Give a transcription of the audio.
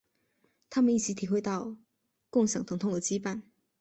他们一起体会到共享疼痛的羁绊。